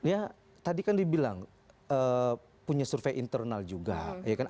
ya tadi kan dibilang punya survei internal juga